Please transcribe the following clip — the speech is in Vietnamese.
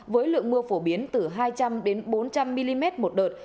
với lượng mưa phổ biến từ hai trăm linh bốn trăm linh mm một đợt